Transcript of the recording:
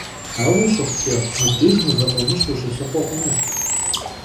Aue şıxhuç'e, mıbdêjj mıve f'amış' vuşılhıxhue xhunuş.